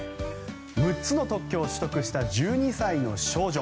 ６つの特許を取得した１２歳の少女。